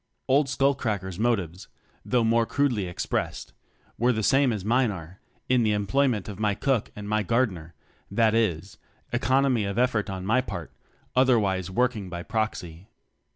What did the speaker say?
Old Skull cracker's motives (though more crudely expressed) were the same as mine are, in the employment of my cook and my gardener, that is economy of effort on my part; other wise working by proxy.